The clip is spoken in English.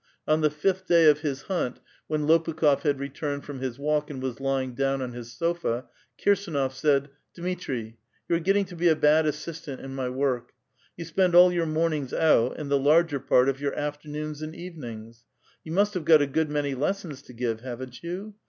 On the filth day of his hunt, when Lopukh6f had returned from his walk and was lying down on his sofa, Kirsdnof said :—*' Dmitri, you are getting to be a bad assistant in my work. You spend all your mornings out, and the larger part of your afternoons and evenings. You must have got a good many lessons to give, haven't you